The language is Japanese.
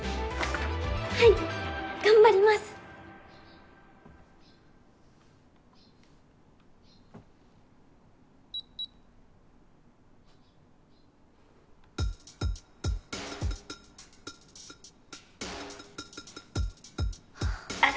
はい頑張りますはあ